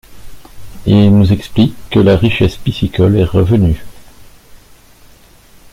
Ils nous expliquent que la richesse piscicole est revenue.